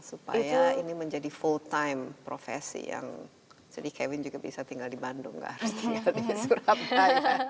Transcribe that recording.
supaya ini menjadi full time profesi yang jadi kevin juga bisa tinggal di bandung gak harus tinggal di surabaya